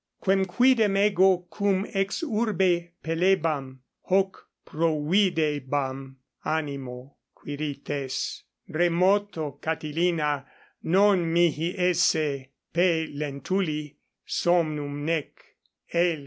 Quem quidem ego cum ex urbe pellebam, hoc providebam animo, Quirites, remoto Catilina non mihi esse P. Lentuli somnum nec L.